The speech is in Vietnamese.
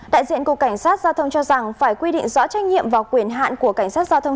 đại diện cục cảnh sát giao thông cho rằng phải quy định rõ trách nhiệm và quyền hạn của cảnh sát giao thông